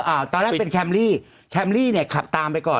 อ่าตอนแรกเป็นแคมรี่แคมรี่เนี่ยขับตามไปก่อน